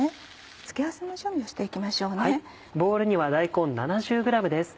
付け合わせの準備をしていきましょうね。